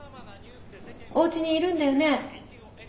おうちにいるんだよね？